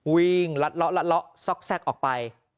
วิ่งลัดละละละละซอกแทรกออกไป